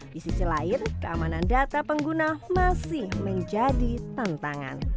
di sisi lain keamanan data pengguna masih menjadi tantangan